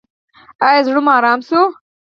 ایا زړه مو ارام شو؟